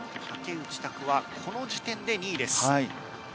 竹内択はこの時点で２位です。